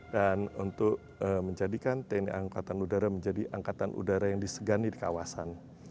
dan untuk menjadikan tni angkatan udara menjadi angkatan udara yang disegani di kawasan